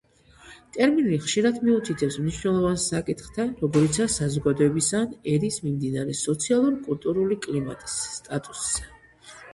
ტერმინი ხშირად მიუთითებს მნიშვნელოვან საკითხთა, როგორიცაა საზოგადოებისა ან ერის მიმდინარე სოციალურ-კულტურული კლიმატის, სტატუსზე.